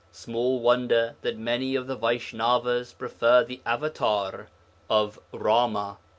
Small wonder that many of the Vaishnavas prefer the avatâr of Rama.